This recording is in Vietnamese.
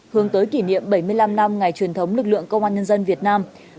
hướng tới kỷ niệm bảy mươi năm năm ngày truyền thống lực lượng công an nhân dân việt nam